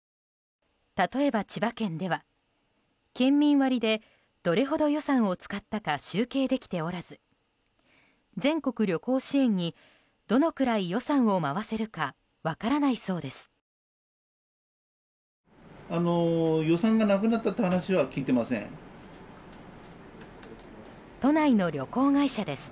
例えば千葉県では県民割でどれほど予算を使ったか集計できておらず全国旅行支援にどのくらい予算を回せるか分からないそうです。